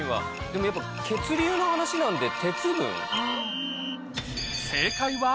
でもやっぱ血流の話なんで。